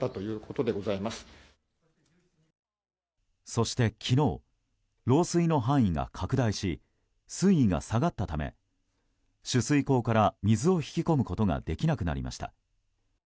そして昨日漏水の範囲が拡大し水位が下がったため取水口から水を引き込むことができなくなりました。